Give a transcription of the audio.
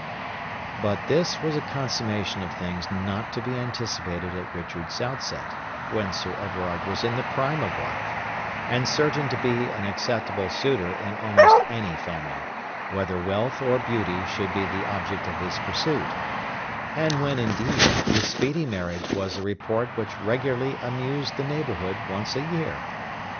But this was a consummation of things not to be expected at Richard's outset, when Sir Everard was in the prime of life, and certain to be an acceptable suitor in almost any family, whether wealth or beauty should be the object of his pursuit, and when, indeed, his speedy marriage was a report which regularly amused the neighbourhood once a year.